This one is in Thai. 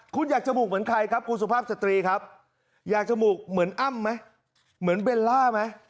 คุณอยากจมูกเหมือนใครครับคุณสุภาพสตรีครับอยากจมูกเหมือนอ้ำไหมเหมือนเบลล่าไหม